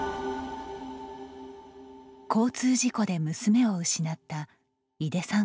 交通事故で娘を失った井出さん